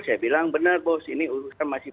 saya bilang benar bos ini urusan masih